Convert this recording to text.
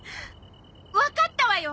わかったわよ。